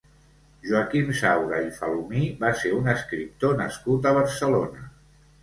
Joaquim Saura i Falomir va ser un escriptor nascut a Barcelona.